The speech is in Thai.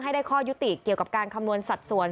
ให้ได้ข้อยุติเกี่ยวกับการคำนวณสัดส่วน